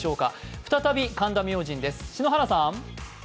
再び神田明神です。